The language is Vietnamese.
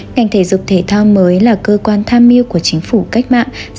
ngành thể dục thể thao mới là cơ quan tham mưu của chính phủ cách mạng